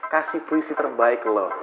kasih puisi terbaik lo